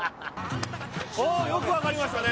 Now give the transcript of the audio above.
およく分かりましたね。